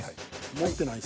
持ってないし。